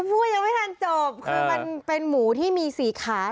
พูดยังไม่ทันจบคือมันเป็นหมูที่มีสี่ขา